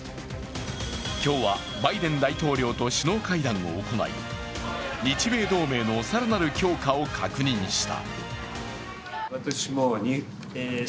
今日はバイデン大統領と首脳会談を行い日米同盟の更なる強化を確認した。